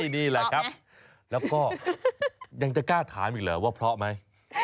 นี่แหละครับแล้วก็ยังจะกล้าถามอีกเหรอว่าเพราะไหม